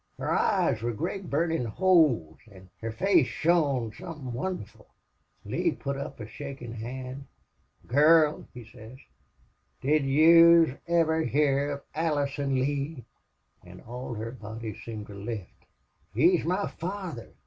Her eyes wor great burnin' holes an' her face shone somethin' wonderful. "Lee put up a shakin' hand. "'Gurl,' he sez, 'did yez iver hear of Allison Lee?' "An' all her seemed to lift. "'He is my father!